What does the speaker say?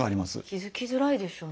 気付きづらいでしょうね